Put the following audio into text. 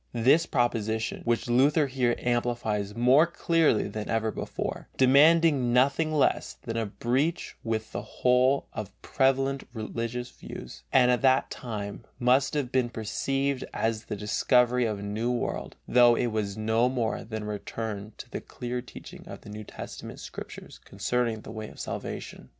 This proposition, which Luther here amplifies more clearly than ever before, demanded nothing less than a breach with the whole of prevalent religious views, and at that time must have been perceived as the discovery of a new world, though it was no more than a return to the clear teaching of the New Testament Scriptures concerning the way of salvation.